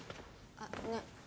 あっね。